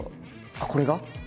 あっこれが？